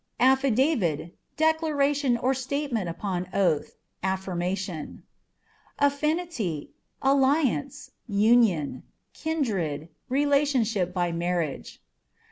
Affidavit â€" declaration or statement upon oath, affirmation. Affinity â€" alliance, union ; kindred, relationship by marriage.